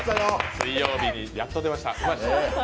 水曜日にやっと出ました。